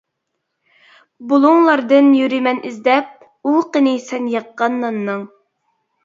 بۇلۇڭلاردىن يۈرىمەن ئىزدەپ، ئۇۋىقىنى سەن ياققان ناننىڭ.